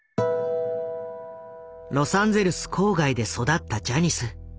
ロサンゼルス郊外で育ったジャニス。